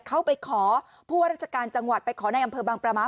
เขาไปขอผู้หัศจรรย์ระจาการจังหวัดไปขอหน้าอำเภอบางประม้า